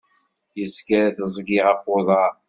Yezger tiẓgi ɣef uḍar.